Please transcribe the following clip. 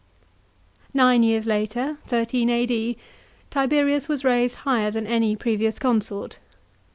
'* Nine years later (13 A.D.)* Tiberius was raised higher than any previous consort.